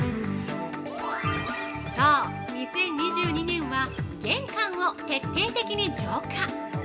◆そう、２０２２年は、玄関を徹底的に浄化。